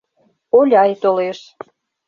Оляй толеш.